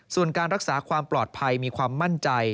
ส่วนการรักษาความปลอดภัยมีความมั่นใจ